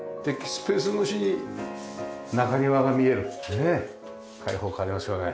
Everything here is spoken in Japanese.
スペース越しに中庭が見えるってね開放感ありますよね。